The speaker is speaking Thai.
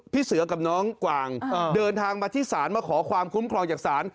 เสือกับน้องกวางเดินทางมาที่ศาลมาขอความคุ้มครองจากศาล